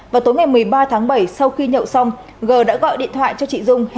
vào tối ngày một mươi ba tháng bảy sau khi nhậu xong gờ đã gọi điện thoại cho chị dung